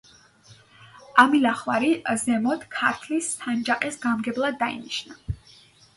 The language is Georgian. ამილახვარი ზემო ქართლის სანჯაყის გამგებლად დაინიშნა.